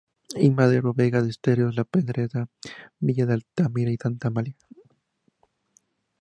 I. Madero, Vega de Esteros, La Pedrera, Villa de Altamira y Santa Amalia.